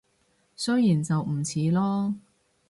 雖然就唔似囉